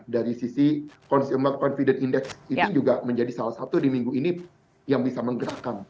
dari sisi consumer confident index itu juga menjadi salah satu di minggu ini yang bisa menggerakkan